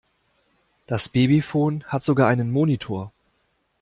Das Babyphon hat sogar einen Monitor.